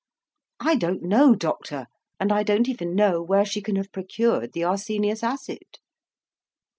"I don't know, doctor, and I don't even know where she can have procured the arsenious acid."